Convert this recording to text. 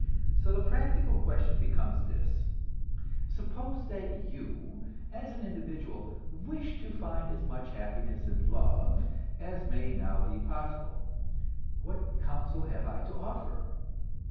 So the practical question becomes this: Suppose that you, as an individual, wish to find as much happiness in love as may now be possible, what counsel have I to offer?